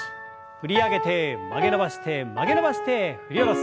振り上げて曲げ伸ばして曲げ伸ばして振り下ろす。